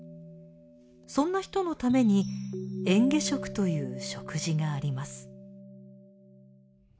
そんな人のために嚥下食という食事があります。